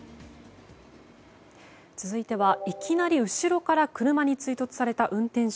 続いては、いきなり後ろから車に追突された運転手。